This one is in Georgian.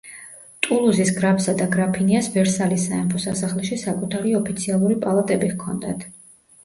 ტულუზის გრაფსა და გრაფინიას ვერსალის სამეფო სასახლეში საკუთარი ოფიციალური პალატები ჰქონდათ.